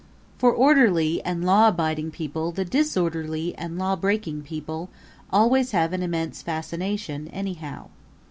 For orderly and law abiding people the disorderly and lawbreaking people always have an immense fascination anyhow.